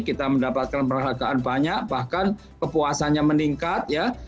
kita mendapatkan perhargaan banyak bahkan kepuasannya meningkat